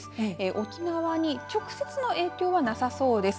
沖縄に直接の影響はなさそうです。